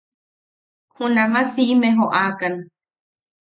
Junama siʼime joʼakan.